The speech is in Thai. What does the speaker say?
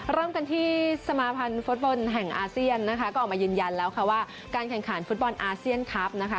เริ่มกันที่สมาพันธ์ฟุตบอลแห่งอาเซียนนะคะก็ออกมายืนยันแล้วค่ะว่าการแข่งขันฟุตบอลอาเซียนคลับนะคะ